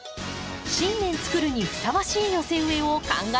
新年つくるにふさわしい寄せ植えを考えました。